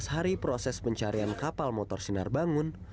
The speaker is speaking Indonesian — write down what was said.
empat belas hari proses pencarian kapal motor sinar bangun